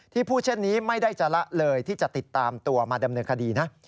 พูดเช่นนี้ไม่ได้จะละเลยที่จะติดตามตัวมาดำเนินคดีนะ